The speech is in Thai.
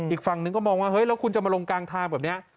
อีกฝั่งนึงก็มองว่าเฮ้ยแล้วคุณจะมาลงกลางทางแบบนี้